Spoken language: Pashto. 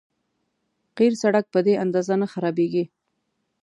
قیر سړک په دې اندازه نه خرابېږي.